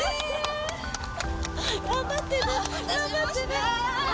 頑張って、頑張ってね。